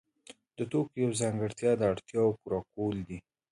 د توکو یوه ځانګړتیا د اړتیاوو پوره کول دي.